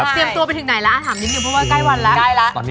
เตรียมตัวไปถึงไหนละถามยิ้มเพราะว่าใกล้วันละ